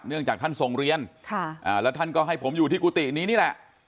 เนื่องจากท่านส่งเรียนแล้วท่านก็ให้ผมอยู่ที่กุฏินี้แหละ